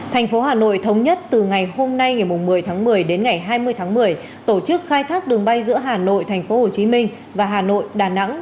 tp hcm thống nhất từ ngày hôm nay ngày một mươi tháng một mươi đến ngày hai mươi tháng một mươi tổ chức khai thác đường bay giữa hà nội tp hcm và hà nội đà nẵng